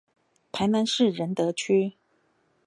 臺南市仁德區